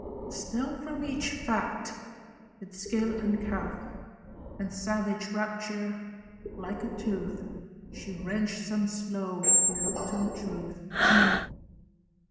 Still from each fact, with skill uncouth And savage rapture, like a tooth She wrenched some slow reluctant truth.